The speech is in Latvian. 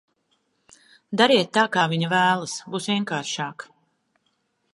Dariet tā, kā viņa vēlas, būs vienkāršāk.